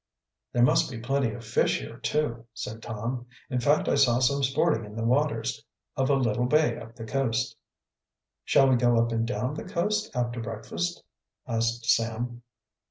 "There must be plenty of fish here, too," said Tom. "In fact I saw some sporting in the waters of a little bay up the coast." "Shall we go up and down the coast after breakfast?" asked Sam.